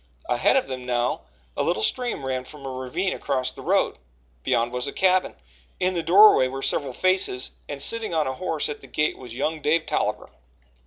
Ahead of them now, a little stream ran from a ravine across the road. Beyond was a cabin; in the doorway were several faces, and sitting on a horse at the gate was young Dave Tolliver.